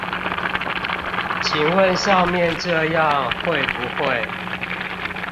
請問上面這樣會不會